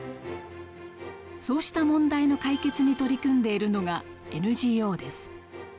そうした問題の解決に取り組んでいるのがＮＧＯです。